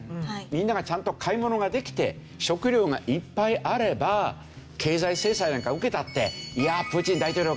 みんながちゃんと買い物ができて食料がいっぱいあれば経済制裁なんか受けたっていやプーチン大統領